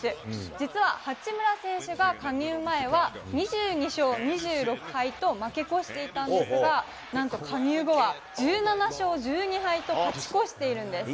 実は八村選手が加入前は、２２勝２６敗と負け越していたんですが、なんと加入後は１７勝１２敗と勝ち越しているんです。